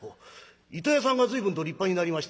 「糸屋さんが随分と立派になりまして」。